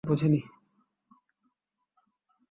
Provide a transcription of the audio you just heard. তিনি এ ঘটনার নিষ্পত্তি করায় তা আর বিচারকের দরবারে পৌঁছেনি।